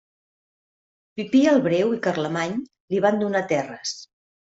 Pipí el Breu i Carlemany li van donar terres.